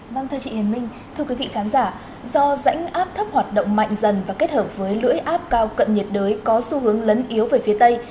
vâng thưa chị hiền minh thưa quý vị khán giả do rãnh áp thấp hoạt động mạnh dần và kết hợp với lưỡi áp cao cận nhiệt đới có xu hướng lấn yếu về phía tây